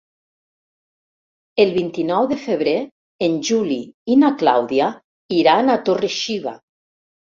El vint-i-nou de febrer en Juli i na Clàudia iran a Torre-xiva.